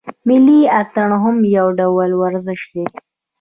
ملي اتڼ هم یو ډول ورزش دی.